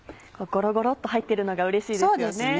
ゴロゴロっと入ってるのがうれしいですよね。